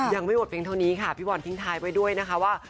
ยังไม่หมดเพียงเท่านี้ค่ะพี่บอลทิ้งท้ายไว้ด้วยนะคะว่า